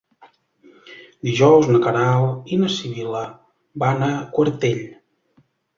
Dijous na Queralt i na Sibil·la van a Quartell.